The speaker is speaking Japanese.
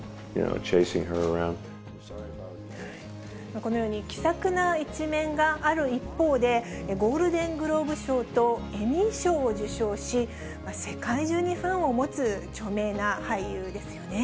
このように気さくな一面がある一方で、ゴールデン・グローブ賞とエミー賞を受賞し、世界中にファンを持つ著名な俳優ですよね。